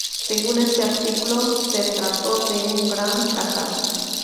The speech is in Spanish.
Según este artículo, se trató de un 'gran fracaso.